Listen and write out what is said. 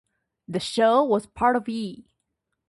The show was part of E!